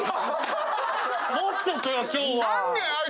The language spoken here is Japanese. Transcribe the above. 今日は！